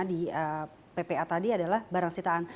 di ppa tadi adalah barang sitaan